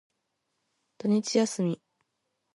土日休み。